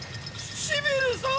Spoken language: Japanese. ⁉シビルさん！